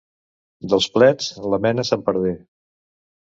Dels plets, la mena se'n perdé.